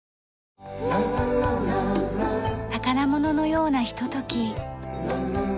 宝物のようなひととき。